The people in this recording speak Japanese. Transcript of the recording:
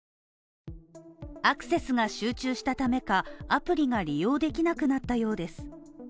アクセスが集中したためか、アプリが利用できなくなったようです。